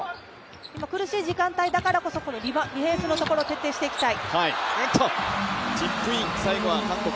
今苦しい時間帯だからこそディフェンスのところ徹底していきたい。